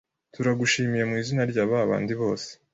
turagushimiye mu izina rya bandi bose